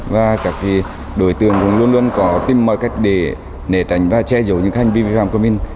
và các đối tượng cũng luôn luôn có tìm mọi cách để nể tránh và che giấu những hành vi vi phạm của mình